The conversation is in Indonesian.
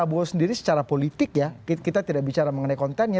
jadi prabowo sendiri secara politik ya kita tidak bicara mengenai kontennya